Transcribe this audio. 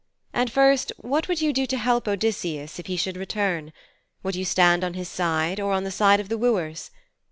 And first, what would you do to help Odysseus if he should return? Would you stand on his side, or on the side of the wooers?